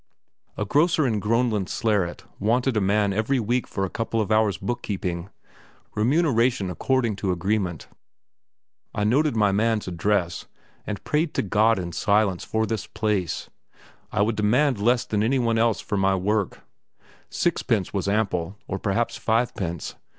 A grocer in Groenlandsleret wanted a man every week for a couple of hours' book keeping; remuneration according to agreement. I noted my man's address, and prayed to God in silence for this place. I would demand less than any one else for my work; sixpence was ample, or perhaps fivepence.